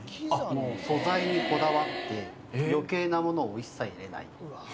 素材にこだわって、よけいなものを一切入れない。